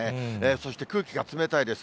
そして空気が冷たいです。